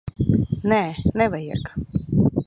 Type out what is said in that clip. Nē, nevajag.